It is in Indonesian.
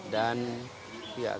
dan pihak kepentingan